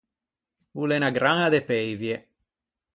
O l’é unna graña de peivie.